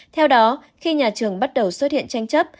theo đó khi nhà trường bắt đầu xuất hiện tranh chấp